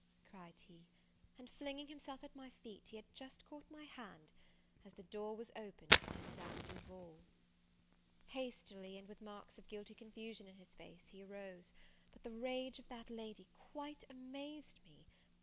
cried he; and, flinging himself at my feet, he had just caught my hand as the door was opened by Madame Duval. Hastily, and with marks of guilty confusion in his face, he arose; but the rage of that lady quite amazed me!